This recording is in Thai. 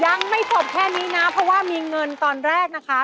ยังไม่จบแค่นี้นะเพราะว่ามีเงินตอนแรกนะคะ